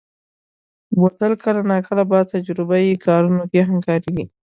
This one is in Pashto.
بوتل کله ناکله په تجربهيي کارونو کې هم کارېږي.